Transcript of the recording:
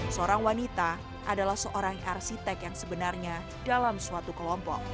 seorang wanita adalah seorang arsitek yang sebenarnya berusaha untuk menjaga keamanan